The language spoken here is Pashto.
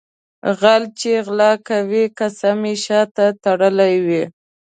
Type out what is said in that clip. غل چې غلا کوي قسم یې شاته تړلی وي.